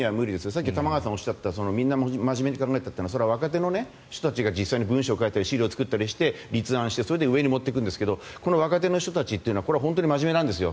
さっき玉川さんがおっしゃったみんな真面目に考えたというのは若手の人たちが文書を考えたり立案してそれで上に持っていくんですがこの若手は真面目なんです。